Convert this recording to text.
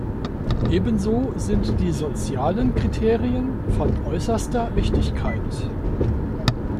Ebenso sind die sozialen Kriterien von äußerster Wichtigkeit.